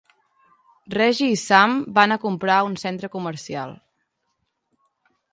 Reggie i Sam van a comprar a un centre comercial.